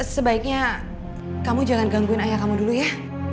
sebaiknya kamu jangan gangguin ayah kamu dulu ya